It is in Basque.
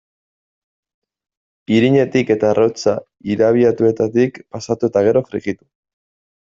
Irinetik eta arrautza irabiatuetatik pasatu eta gero, frijitu.